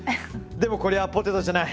でもこれはポテトじゃない。